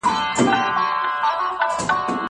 زه هره ورځ موبایل کاروم!.